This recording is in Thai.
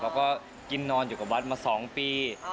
เขาก็กินนอนอยู่กับวัดมาสองปี